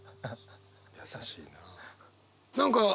優しいなあ。